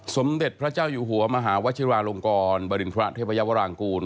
สมเด็จพระเจ้าอยู่หัวมหาวชิราลงกรบริณฑระเทพยาวรางกูล